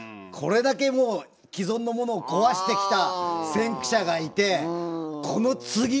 これだけもう既存のものを壊してきた先駆者がいてこの次。